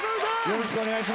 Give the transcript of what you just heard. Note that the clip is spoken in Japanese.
よろしくお願いします。